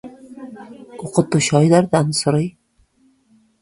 Укытучы Айдардан сорый